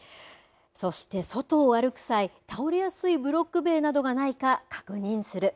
そして、外を歩く際倒れやすいブロック塀などがないか確認する。